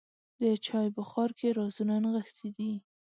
د چای بخار کې رازونه نغښتي دي.